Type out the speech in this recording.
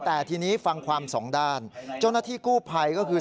แต่ทีนี้ฟังความสองด้านเจ้าหน้าที่กู้ภัยก็คือ